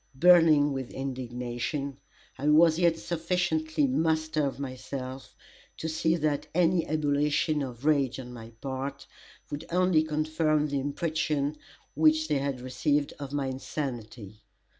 Burning with indignation, I was yet sufficiently master of myself to see that any ebullition of rage on my part, would only confirm the impression which they had received of my insanity.